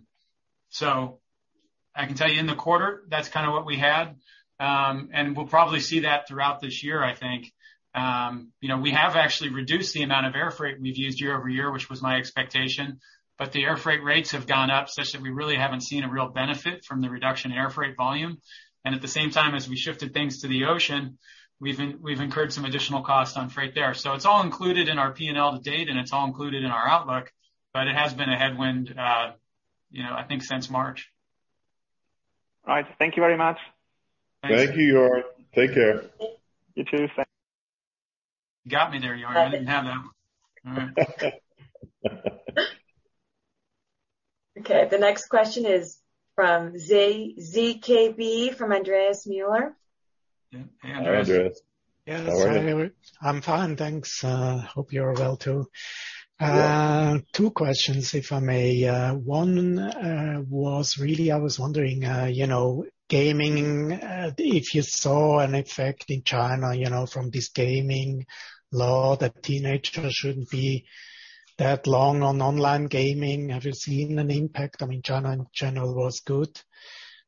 can tell you in the quarter, that's kind of what we had. We'll probably see that throughout this year, I think. You know, we have actually reduced the amount of air freight we've used year-over-year, which was my expectation. The air freight rates have gone up such that we really haven't seen a real benefit from the reduction in air freight volume. At the same time, as we shifted things to the ocean, we've incurred some additional costs on freight there. It's all included in our P&L to date, and it's all included in our outlook, but it has been a headwind, you know, I think since March. All right. Thank you very much. Thank you, Joern. Take care. You too. Thanks. You got me there, Joern. I didn't have that one. All right. Okay, the next question is from ZKB from Andreas Müller. Yeah. Hey, Andreas. Hi, Andreas. How are you? Yes. Hi. I'm fine, thanks. Hope you're well too. Yeah. Two questions, if I may. One, I was wondering, you know, gaming, if you saw an effect in China, you know, from this gaming law that teenagers shouldn't be that long on online gaming. Have you seen an impact? I mean, China in general was good.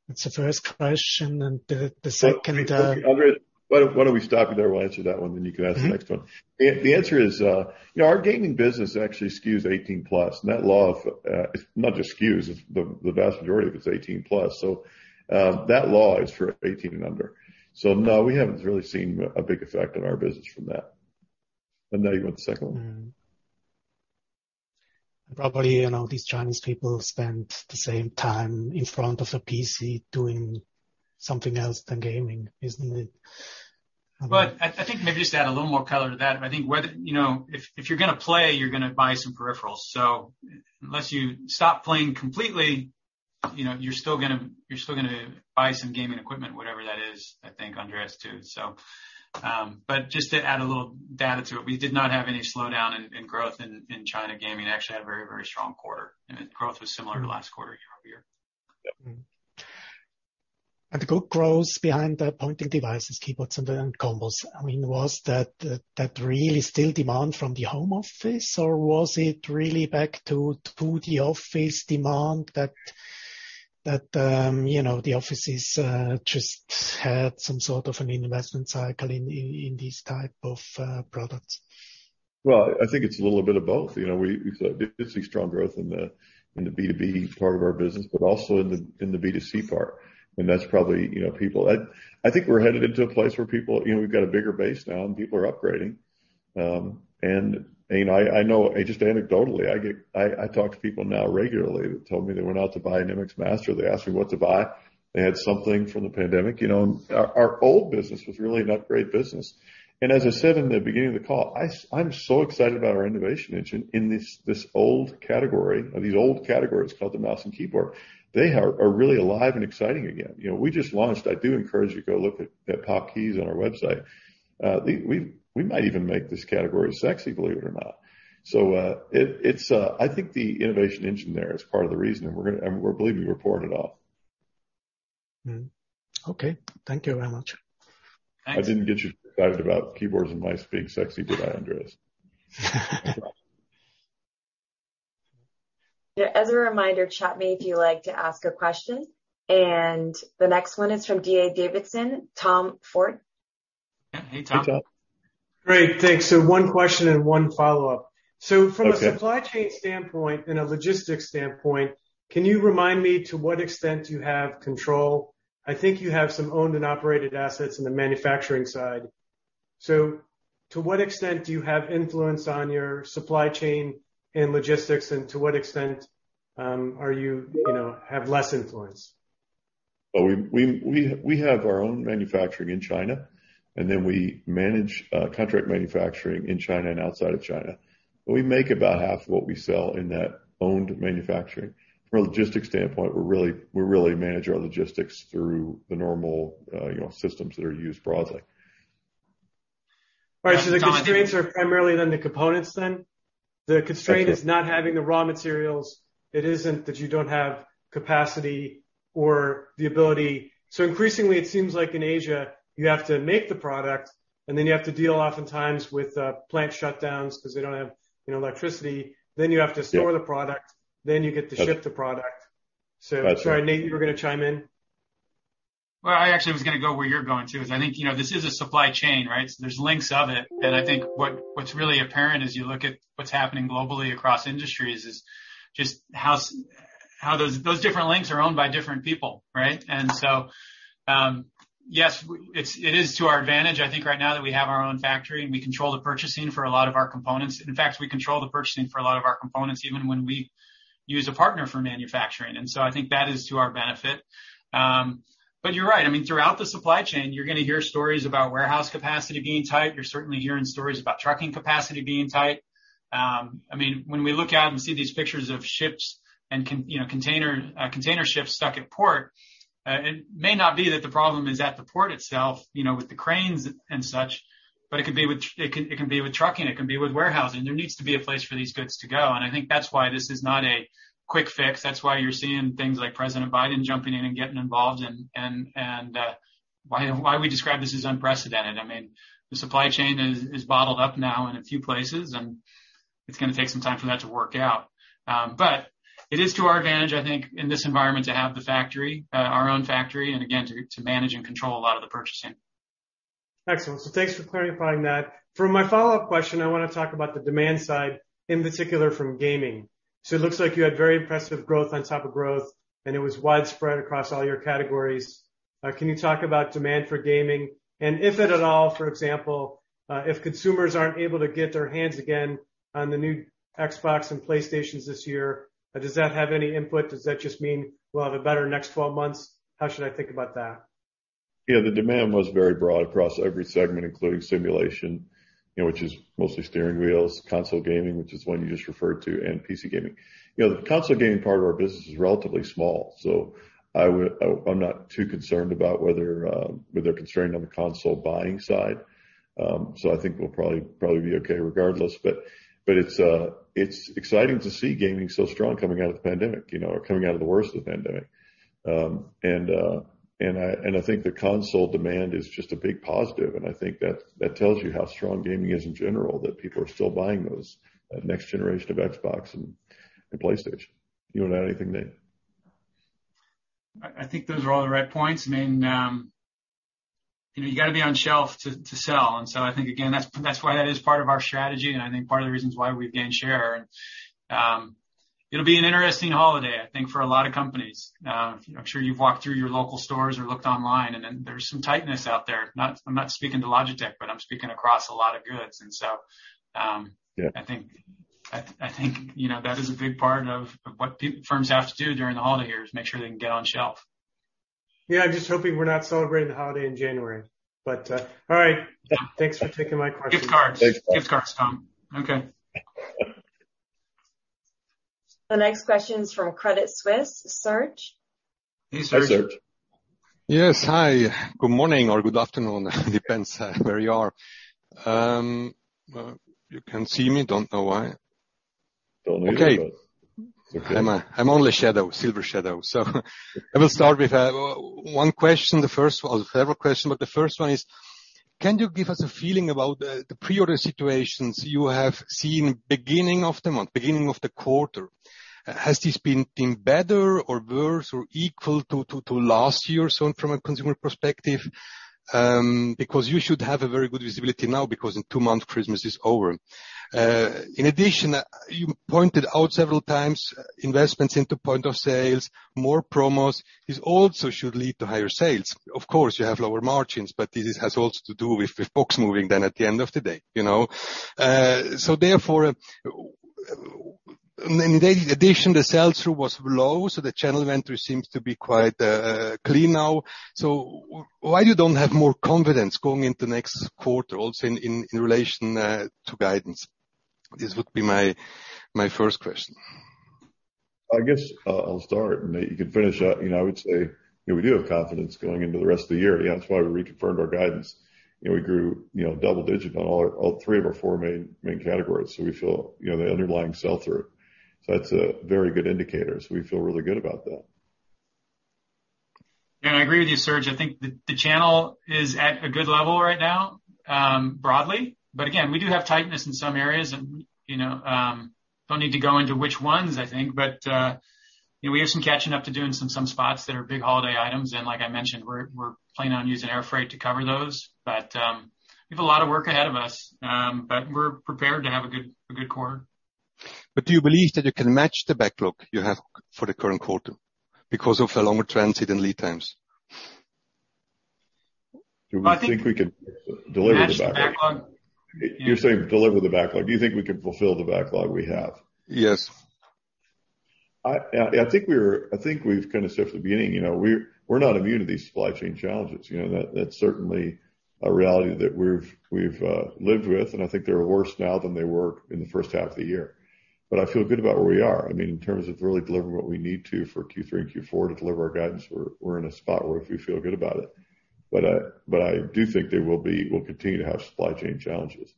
That's the first question. The second, Andreas, why don't we stop you there? We'll answer that one, then you can ask the next one. Mm-hmm. The answer is, you know, our gaming business actually skews 18+. Not just skews, it's the vast majority of it's 18+. That law is for 18 and under. No, we haven't really seen a big effect on our business from that. Now you go to the second one. Probably, you know, these Chinese people spend the same time in front of a PC doing something else than gaming, isn't it? I think maybe just to add a little more color to that. I think. You know, if you're gonna play, you're gonna buy some peripherals. Unless you stop playing completely, you know, you're still gonna buy some gaming equipment, whatever that is, I think, Andreas, too. Just to add a little data to it, we did not have any slowdown in growth in China gaming. Actually had a very strong quarter, and growth was similar to last quarter year over year. Yep. Mm-hmm. The good growth behind the pointing devices, keyboards, and the combos, I mean, was that really still demand from the home office, or was it really back to the office demand that you know, the offices just had some sort of an investment cycle in these type of products? Well, I think it's a little bit of both. You know, we did see strong growth in the B2B part of our business, but also in the B2C part, and that's probably people. I think we're headed into a place where people. You know, we've got a bigger base now and people are upgrading. You know, I know just anecdotally, I talk to people now regularly that tell me they went out to buy an MX Master. They ask me what to buy. They had something from the pandemic. You know, our old business was really an upgrade business. As I said in the beginning of the call, I'm so excited about our innovation engine in this old category or these old categories called the mouse and keyboard. They are really alive and exciting again. You know, we just launched. I do encourage you to go look at POP Keys on our website. We might even make this category sexy, believe it or not. It's, I think the innovation engine there is part of the reason, and we believe we were pouring it on. Okay. Thank you very much. Thanks. I didn't get you excited about keyboards and mice being sexy, did I, Andreas? Yeah. As a reminder, chat me if you'd like to ask a question. The next one is from D.A. Davidson, Tom Forte. Yeah. Hey, Tom. Hey, Tom. Great. Thanks. One question and one follow-up. Okay. From a supply chain standpoint and a logistics standpoint, can you remind me to what extent you have control? I think you have some owned and operated assets in the manufacturing side. To what extent do you have influence on your supply chain and logistics, and to what extent, are you know, have less influence? We have our own manufacturing in China, and then we manage contract manufacturing in China and outside of China. We make about half of what we sell in that owned manufacturing. From a logistics standpoint, we really manage our logistics through the normal, you know, systems that are used broadly. All right. The constraints are primarily the components then? That's it. The constraint is not having the raw materials. It isn't that you don't have capacity or the ability. Increasingly, it seems like in Asia, you have to make the product, and then you have to deal oftentimes with plant shutdowns because they don't have, you know, electricity. Yeah. You have to store the product, then you get to ship the product. That's right. Sorry, Nate, you were gonna chime in? Well, I actually was gonna go where you're going to. I think, you know, this is a supply chain, right? There's links of it. I think what's really apparent as you look at what's happening globally across industries is just how those different links are owned by different people, right? Yes, it is to our advantage, I think, right now that we have our own factory and we control the purchasing for a lot of our components. In fact, we control the purchasing for a lot of our components even when we use a partner for manufacturing. I think that is to our benefit. You're right. I mean, throughout the supply chain, you're gonna hear stories about warehouse capacity being tight. You're certainly hearing stories about trucking capacity being tight. I mean, when we look out and see these pictures of ships and container ships stuck at port, it may not be that the problem is at the port itself, you know, with the cranes and such, but it could be with trucking. It can be with warehousing. There needs to be a place for these goods to go. I think that's why this is not a quick fix. That's why you're seeing things like President Biden jumping in and getting involved. Why we describe this as unprecedented? I mean, the supply chain is bottled up now in a few places, and it's gonna take some time for that to work out. It is to our advantage, I think, in this environment to have the factory, our own factory, and again, to manage and control a lot of the purchasing. Excellent. Thanks for clarifying that. For my follow-up question, I wanna talk about the demand side, in particular from gaming. It looks like you had very impressive growth on top of growth, and it was widespread across all your categories. Can you talk about demand for gaming? And if at all, for example, if consumers aren't able to get their hands again on the new Xbox and PlayStations this year, does that have any input? Does that just mean we'll have a better next 12 months? How should I think about that? Yeah, the demand was very broad across every segment, including simulation, you know, which is mostly steering wheels, console gaming, which is the one you just referred to, and PC gaming. You know, the console gaming part of our business is relatively small, so I'm not too concerned about whether they're constrained on the console buying side. I think we'll probably be okay regardless. It's exciting to see gaming so strong coming out of the pandemic, you know, or coming out of the worst of the pandemic. I think the console demand is just a big positive, and I think that tells you how strong gaming is in general, that people are still buying those next generation of Xbox and PlayStation. You wanna add anything, Nate? I think those are all the right points. I mean, you know, you gotta be on shelf to sell. I think, again, that's why that is part of our strategy, and I think part of the reasons why we've gained share. It'll be an interesting holiday, I think, for a lot of companies. I'm sure you've walked through your local stores or looked online, and then there's some tightness out there. I'm not speaking to Logitech, but I'm speaking across a lot of goods. Yeah. I think you know that is a big part of what firms have to do during the holiday here is make sure they can get on shelf. Yeah, I'm just hoping we're not celebrating the holiday in January. All right. Thanks for taking my question. Gift cards. Thanks. Gift cards, Tom. Okay. The next question is from Credit Suisse, Serge. Hey, Serge. Hey, Serge. Yes. Hi. Good morning or good afternoon. Depends where you are. You can't see me. Don't know why. Don't need to. Okay. I'm only a shadow, silver shadow. I will start with one question, the first one. Several questions, but the first one is, can you give us a feeling about the pre-order situations you have seen beginning of the month, beginning of the quarter? Has this been better or worse or equal to last year or so from a consumer perspective? Because you should have a very good visibility now because in two months Christmas is over. In addition, you pointed out several times investments into point of sales, more promos. This also should lead to higher sales. Of course, you have lower margins, but this has also to do with folks moving then at the end of the day, you know. Therefore, in addition, the sell-through was low, so the channel inventory seems to be quite clean now. Why don't you have more confidence going into next quarter also in relation to guidance? This would be my first question. I guess I'll start, and Nate, you can finish up. You know, I would say, you know, we do have confidence going into the rest of the year. Yeah, that's why we reconfirmed our guidance. You know, we grew, you know, double digit on all three of our four main categories. We feel, you know, the underlying sell-through. That's a very good indicator. We feel really good about that. Yeah, I agree with you, Serge. I think the channel is at a good level right now, broadly. Again, we do have tightness in some areas and, you know, don't need to go into which ones, I think. You know, we have some catching up to do in some spots that are big holiday items. Like I mentioned, we're planning on using air freight to cover those. We have a lot of work ahead of us, but we're prepared to have a good quarter. Do you believe that you can match the backlog you have for the current quarter because of the longer transit and lead times? Do we think we can deliver the backlog? Match the backlog. You're saying deliver the backlog. Do you think we can fulfill the backlog we have? Yes. I think we've kinda said from the beginning, you know, we're not immune to these supply chain challenges. You know, that's certainly a reality that we've lived with, and I think they're worse now than they were in the first half of the year. I feel good about where we are. I mean, in terms of really delivering what we need to for Q3 and Q4 to deliver our guidance, we're in a spot where we feel good about it. I do think we'll continue to have supply chain challenges.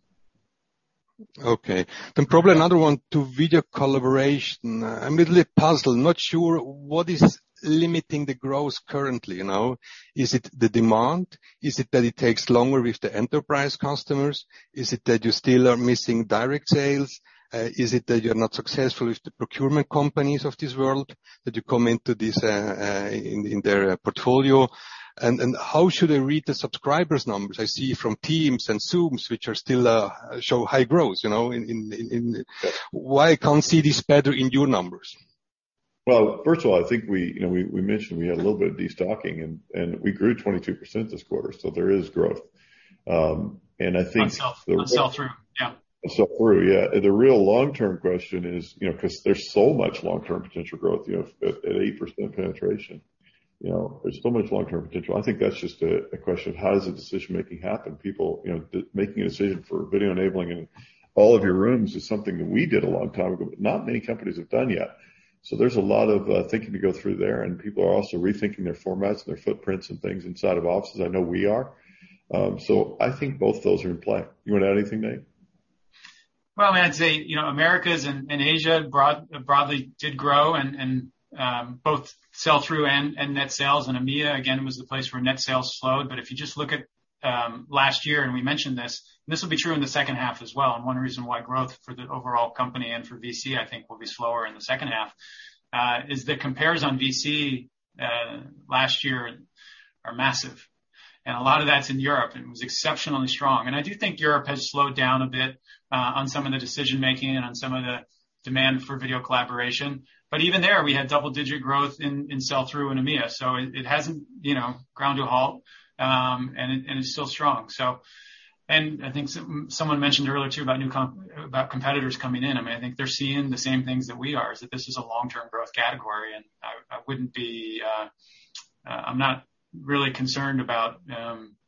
Okay. Probably another one to video collaboration. I'm a little puzzled, not sure what is limiting the growth currently, you know. Is it the demand? Is it that it takes longer with the enterprise customers? Is it that you still are missing direct sales? Is it that you're not successful with the procurement companies of this world, that you come into this in their portfolio? How should I read the subscriber numbers I see from Teams and Zoom, which still show high growth, you know? Why can't I see this better in your numbers? Well, first of all, I think we, you know, mentioned we had a little bit of de-stocking and we grew 22% this quarter, so there is growth. I think- On sell-in, on sell-through. Yeah. On sell-through, yeah. The real long-term question is, you know, 'cause there's so much long-term potential growth, you know, at 8% penetration. You know, there's so much long-term potential. I think that's just a question of how does the decision-making happen? People, you know, making a decision for video enabling in all of your rooms is something that we did a long time ago, but not many companies have done yet. There's a lot of thinking to go through there, and people are also rethinking their formats and their footprints and things inside of offices. I know we are. I think both of those are in play. You wanna add anything, Nate? Well, I'd say, you know, Americas and Asia broadly did grow and both sell-through and net sales. EMEA again was the place where net sales slowed. If you just look at last year, and we mentioned this, and this will be true in the second half as well, and one reason why growth for the overall company and for VC, I think will be slower in the second half is the compares on VC last year are massive. A lot of that's in Europe, and it was exceptionally strong. I do think Europe has slowed down a bit on some of the decision-making and on some of the demand for video collaboration. Even there, we had double-digit growth in sell-through and EMEA. It hasn't, you know, ground to a halt, and it's still strong. I think someone mentioned earlier too about competitors coming in. I mean, I think they're seeing the same things that we are, is that this is a long-term growth category. I'm not really concerned about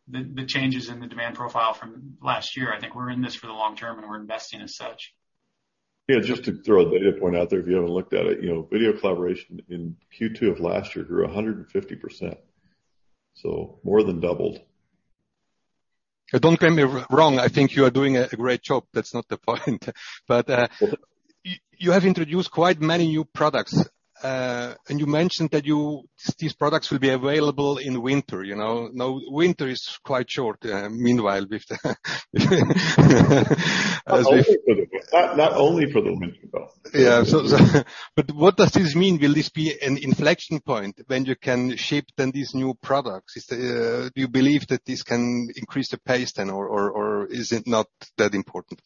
the changes in the demand profile from last year. I think we're in this for the long term, and we're investing as such. Yeah. Just to throw a data point out there, if you haven't looked at it, you know, video collaboration in Q2 of last year grew 150%. More than doubled. Don't get me wrong, I think you are doing a great job. That's not the point. Yeah. You have introduced quite many new products. You mentioned that these products will be available in winter, you know? Now winter is quite short, meanwhile with. Not only for the winter though. Yeah. What does this mean? Will this be an inflection point when you can ship then these new products? Do you believe that this can increase the pace then, or is it not that important?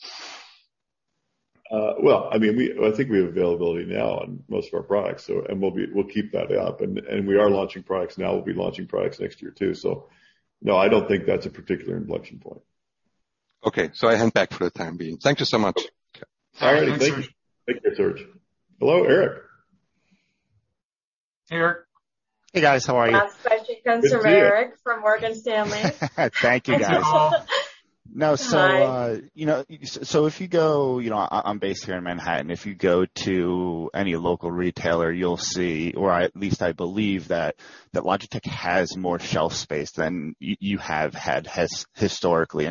Well, I mean, I think we have availability now on most of our products. We'll keep that up. We are launching products now. We'll be launching products next year too. No, I don't think that's a particular inflection point. Okay. I hang back for the time being. Thank you so much. Okay. All right. Thank you. Thank you, Serge. Hello, Erik. Here. Hey, guys. How are you? Last question comes from Erik from Morgan Stanley. Thank you, guys. Hi, Erik. No. Hi. You know, if you go, you know, I’m based here in Manhattan. If you go to any local retailer, you’ll see, or at least I believe that Logitech has more shelf space than you have had historically.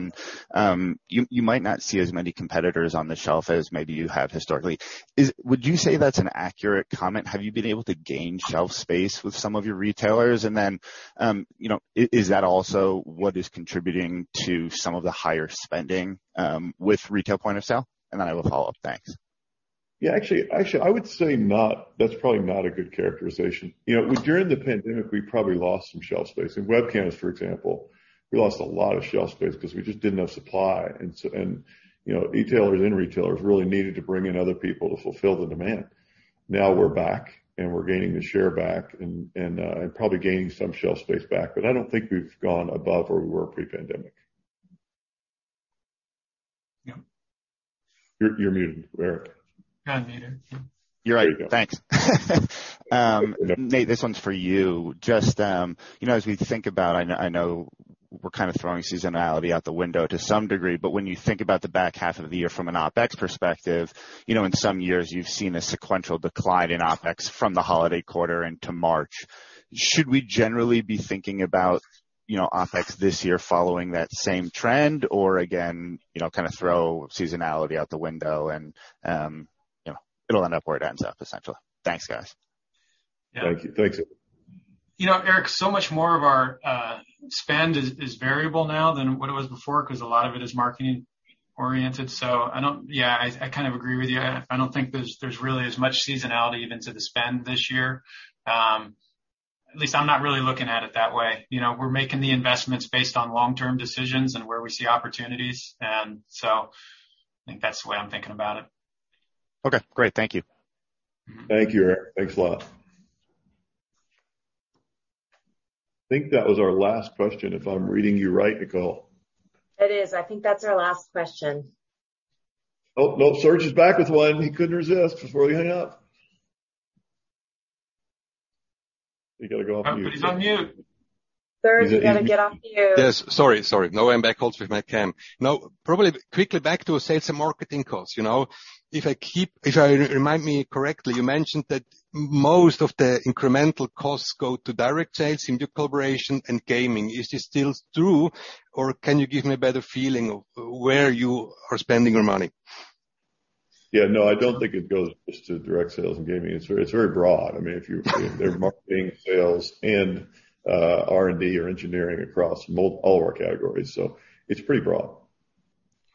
You might not see as many competitors on the shelf as maybe you have historically. Would you say that’s an accurate comment? Have you been able to gain shelf space with some of your retailers? You know, is that also what is contributing to some of the higher spending with retail point of sale? I will follow up. Thanks. Yeah, actually, I would say not. That's probably not a good characterization. You know, during the pandemic, we probably lost some shelf space. In webcams, for example, we lost a lot of shelf space because we just didn't have supply. You know, e-tailers and retailers really needed to bring in other people to fulfill the demand. Now we're back, and we're gaining the share back and probably gaining some shelf space back. But I don't think we've gone above where we were pre-pandemic. Yeah. You're muted, Erik. Unmuted. You're right. There you go. Thanks. Nate, this one's for you. Just, you know, as we think about, I know we're kind of throwing seasonality out the window to some degree, but when you think about the back half of the year from an OpEx perspective, you know, in some years, you've seen a sequential decline in OpEx from the holiday quarter into March. Should we generally be thinking about, you know, OpEx this year following that same trend? Again, you know, kind of throw seasonality out the window and, you know, it'll end up where it ends up, essentially. Thanks, guys. Thank you. Thanks. You know, Erik, so much more of our spend is variable now than what it was before, because a lot of it is marketing-oriented. Yeah, I kind of agree with you. I don't think there's really as much seasonality even to the spend this year. At least I'm not really looking at it that way. You know, we're making the investments based on long-term decisions and where we see opportunities. I think that's the way I'm thinking about it. Okay, great. Thank you. Thank you, Erik. Thanks a lot. I think that was our last question, if I'm reading you right, Nicole. It is. I think that's our last question. Oh, no. Serge is back with one. He couldn't resist before we hang up. You got to get off mute. He's on mute. Serge, you got to get off mute. Yes. Sorry. Now I'm back also with my cam. Now, probably quickly back to sales and marketing costs, you know. If I remember correctly, you mentioned that most of the incremental costs go to direct sales into collaboration and gaming. Is this still true, or can you give me a better feeling of where you are spending your money? Yeah, no, I don't think it goes just to direct sales and gaming. It's very broad. I mean, there's marketing, sales, and R&D or engineering across all of our categories, so it's pretty broad.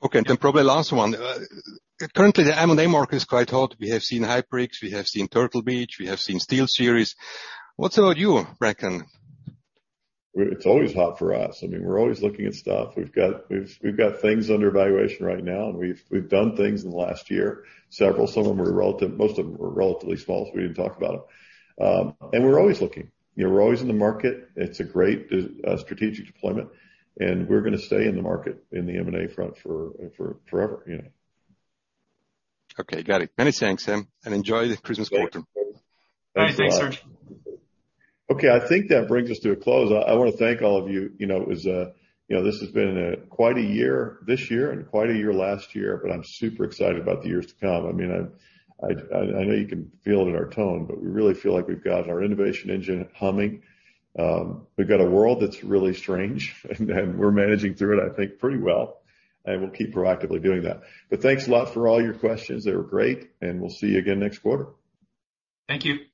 Okay, probably last one. Currently, the M&A market is quite hot. We have seen HyperX. We have seen Turtle Beach. We have seen SteelSeries. What about you, Bracken? It's always hot for us. I mean, we're always looking at stuff. We've got things under evaluation right now. We've done things in the last year, several. Some of them are relative. Most of them are relatively small, so we didn't talk about them. We're always looking. You know, we're always in the market. It's a great strategic deployment, and we're gonna stay in the market in the M&A front for forever, you know. Okay, got it. Many thanks then. Enjoy the Christmas quarter. Thanks. All right. Thanks, Serge. Okay. I think that brings us to a close. I wanna thank all of you. You know, you know, this has been quite a year this year and quite a year last year, but I'm super excited about the years to come. I mean, I know you can feel it in our tone, but we really feel like we've got our innovation engine humming. We've got a world that's really strange, and we're managing through it, I think, pretty well, and we'll keep proactively doing that. Thanks a lot for all your questions. They were great. We'll see you again next quarter. Thank you.